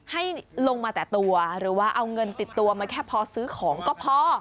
ให้ลงมาแต่ตัวหรือว่าเอาเงินติดตัวมาแค่พอซื้อของก็พอ